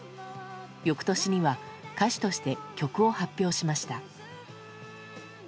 翌年には歌手として曲を発表しました。